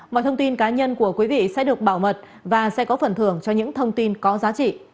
mọi thông tin cá nhân của quý vị sẽ được bảo mật và sẽ có phần thưởng cho những thông tin có giá trị